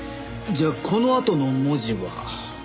じゃあこのあとの文字は？